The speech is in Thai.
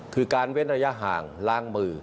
คือการเว้นระยะห่างล้างมือ